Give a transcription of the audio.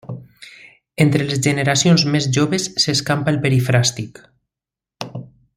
Entre les generacions més joves s’escampa el perifràstic.